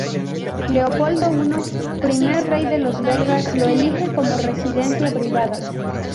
Leopoldo I, primer rey de los belgas, lo elige como residencia privada.